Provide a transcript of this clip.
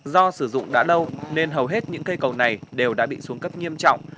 do sử dụng đã lâu nên hầu hết những cây cầu này đều đã bị xuống cấp nghiêm trọng